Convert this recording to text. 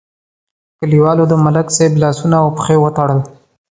کلیوالو د ملک صاحب لاسونه او پښې وتړل.